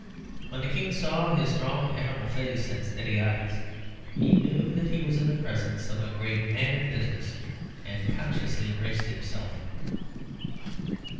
When the King saw his strong animal face and steady eyes, he knew that he was in the presence of a great man of business, and consciously braced himself.